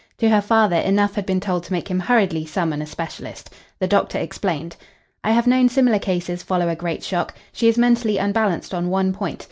To her father enough had been told to make him hurriedly summon a specialist. The doctor explained. "I have known similar cases follow a great shock. She is mentally unbalanced on one point.